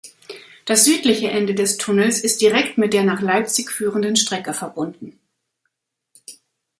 Das südliche Ende des Tunnels ist direkt mit der nach Leipzig führenden Strecke verbunden.